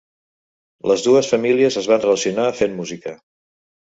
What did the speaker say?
Les dues famílies es van relacionar fent música.